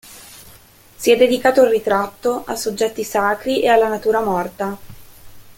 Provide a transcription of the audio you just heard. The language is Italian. Si è dedicata al ritratto, a soggetti sacri e alla natura morta.